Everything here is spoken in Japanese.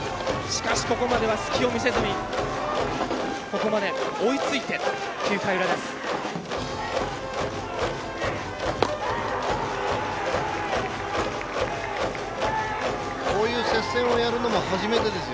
しかし、ここまでは隙を見せずにここまで追いついて９回の裏です。